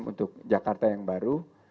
untuk jakarta yang baru